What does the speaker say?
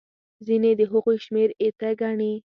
ځینې د هغوی شمېر ایته ګڼي.